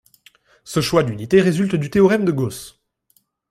Ce choix d'unités résulte du théorème de Gauss.